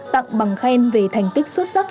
tặng bằng khen về thành tích xuất sắc